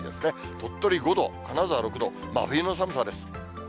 鳥取５度、金沢６度、真冬の寒さです。